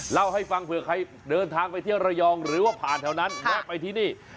เล่าให้ฟังเผื่อใครเดินทางไปเที่ยวระยองหรือว่าผ่านแถวนั้นแวะไปที่นี่